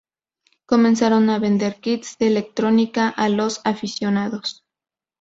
Comenzaron a vender kits de electrónica a los aficionados.